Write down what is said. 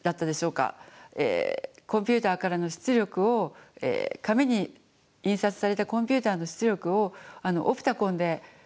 コンピューターからの出力を紙に印刷されたコンピューターの出力をオプタコンで読んでいる自分。